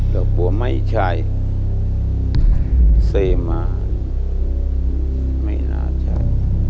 ดอกบัวไม่ใช่เซมาไม่น่าใช่